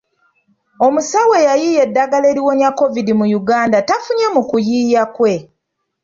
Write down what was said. Omusawo eyayiyizza eddagala eriwonya COVID mu Uganda tafunye mu kuyiiya kwe.